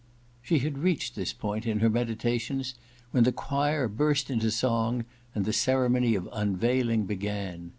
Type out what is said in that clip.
She had reached this point in her meditations when the choir burst into song and the ceremony of the unveiling began.